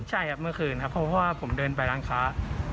ใช่ครับเมื่อคืนครับเพราะว่าผมเดินไปร้านค้า